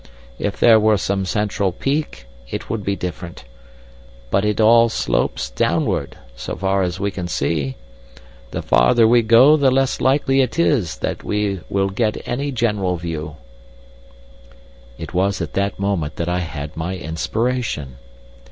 If there were some central peak it would be different, but it all slopes downwards, so far as we can see. The farther we go the less likely it is that we will get any general view." It was at that moment that I had my inspiration.